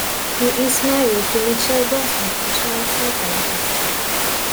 He is married to Michal Grossman, a child psychologist.